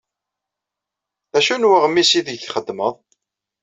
D acu n weɣmis aydeg txeddmeḍ?